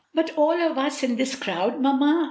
"But all of us in this crowd, mamma?"